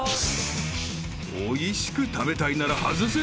［おいしく食べたいなら外せない］